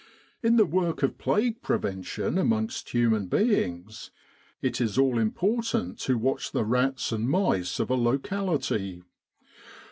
In the work of plague prevention amongst human beings, it is all important to watch the rats and mice of a locality.